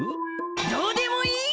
どうでもいい！